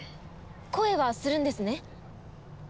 声はするんですね？